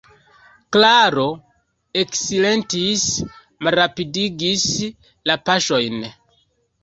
Klaro eksilentis, malrapidigis la paŝojn.